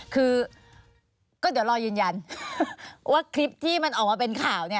คือก็เดี๋ยวรอยืนยันว่าคลิปที่มันออกมาเป็นข่าวเนี่ย